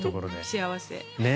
幸せ。